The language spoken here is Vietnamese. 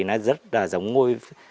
nó rất là giống ngôi